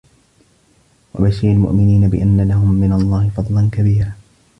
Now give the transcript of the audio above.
وَبَشِّرِ المُؤمِنينَ بِأَنَّ لَهُم مِنَ اللَّهِ فَضلًا كَبيرًا